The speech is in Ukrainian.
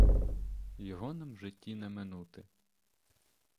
Його нам у житті не минути.